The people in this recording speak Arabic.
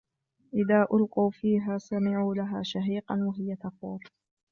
إذا ألقوا فيها سمعوا لها شهيقا وهي تفور